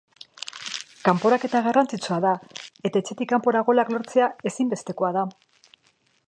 Kanporaketa garrantzitsua da eta etxetik kanpora golak lortzea ezinbestekoa da.